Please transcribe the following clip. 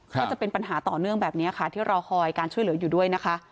และเป็นปัญหาต่อเนื่องด้วยที่จะรอคอยการช่วยเหลืออยู่ด้วย